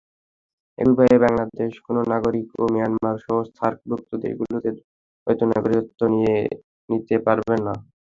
একইভাবে বাংলাদেশের কোনো নাগরিকও মিয়ানমারসহ সার্কভুক্ত দেশগুলোতে দ্বৈত নাগরিকত্ব নিতে পারবেন না।